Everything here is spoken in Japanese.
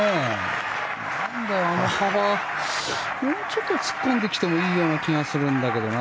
なんであの幅もうちょっと突っ込んできてもいいような気がするんだけどな。